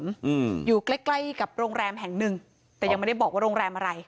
อืมอยู่ใกล้ใกล้กับโรงแรมแห่งหนึ่งแต่ยังไม่ได้บอกว่าโรงแรมอะไร